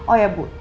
oh ya bu